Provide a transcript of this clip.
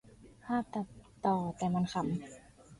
ภาพตัดต่อ แต่มันขำ